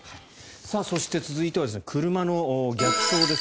そして、続いては車の逆走です。